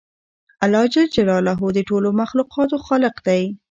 الله جل جلاله د ټولو مخلوقاتو خالق دی